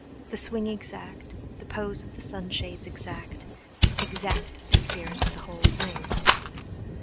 The swing exact, the pose of the sunshades exact, exact the spirit of the whole thing.